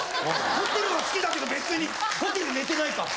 ホテルは好きだけど別にホテル寝てないから！